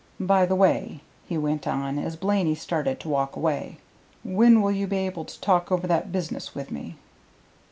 By the way," he went on, as Blaney started to walk away, "when will you be able to talk over that business with me?"